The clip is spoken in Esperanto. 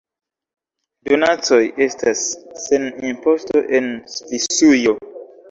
Donacoj estas sen imposto en Svisujo.